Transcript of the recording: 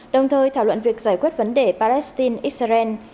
đồng thời thảo luận việc giải quyết vấn đề palestine israel